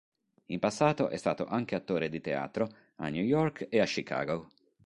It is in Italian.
In passato è stato anche attore di teatro a New York e a Chicago.